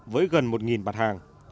với gần một bạt hàng